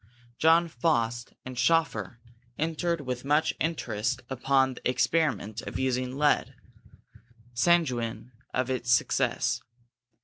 John Faust and Schoeffer entered with much interest upon the experiment of using lead, sanguine of its success.